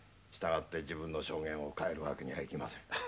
したがって自分の証言を変える訳にはいきません。